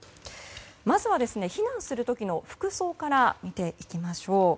まずは避難する時の服装から見ていきましょう。